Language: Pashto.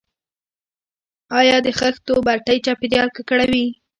آیا د خښتو بټۍ چاپیریال ککړوي؟